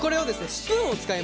スプーンを使いまして。